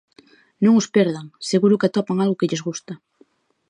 Non os perdan, seguro que atopan algo que lles gusta.